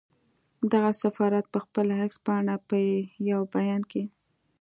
دغه سفارت پر خپله اېکس پاڼه په یو بیان کې